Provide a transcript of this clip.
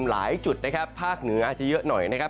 หลายจุดนะครับภาคเหนืออาจจะเยอะหน่อยนะครับ